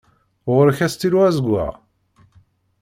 Ɣur-k astilu azeggaɣ?